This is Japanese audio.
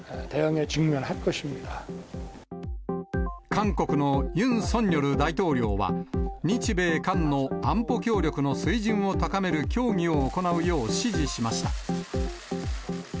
韓国のユン・ソンニョル大統領は、日米韓の安保協力の水準を高める協議を行うよう指示しました。